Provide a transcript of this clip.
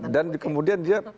dan kemudian dia